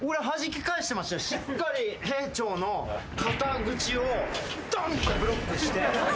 しっかり兵長の肩口をどんってブロックして。